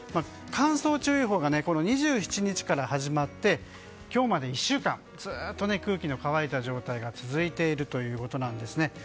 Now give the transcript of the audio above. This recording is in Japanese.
乾燥注意報が２７日から始まって今日まで１週間ずっと空気の乾いた状態が続いているということなんですね。